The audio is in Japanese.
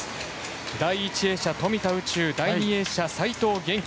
第１泳者、富田宇宙第２泳者、齋藤元希。